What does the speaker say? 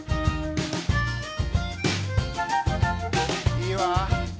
いいわ！